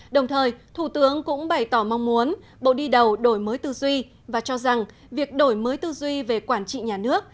đồng thời thủ tướng cũng bày tỏ mong muốn bộ đi đầu đổi mới tư duy và cho rằng việc đổi mới tư duy về quản trị nhà nước